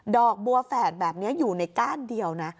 อกบัวแฝดแบบนี้อยู่ในก้านเดียวนะ